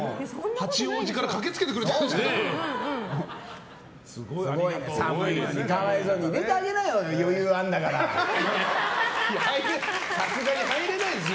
八王子から駆けつけてくれたんですよ。